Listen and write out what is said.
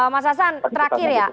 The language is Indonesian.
mas hasan terakhir ya